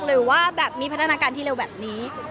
หรือว่าแบบมีพัฒนาการที่เร็วแบบนี้